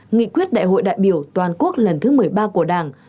nghị quyết đại hội đại biểu toàn quốc lần thứ một mươi ba của đảng